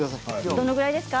どのくらいですか？